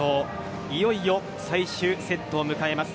いよいよ最終セットを迎えます。